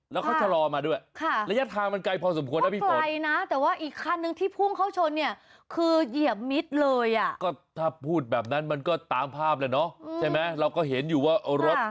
แล้วเข้าชะลอมาด้วยระยะทางมันไกลพอสมควร